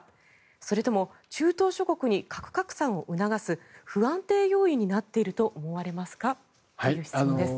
それとも中東諸国に核拡散を促す不安定要因になっていると思われますかという質問です。